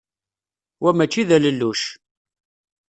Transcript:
Wa mačči d alelluc!